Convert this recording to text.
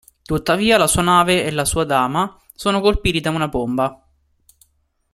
Tuttavia, la sua nave e la sua dama sono colpiti da una bomba.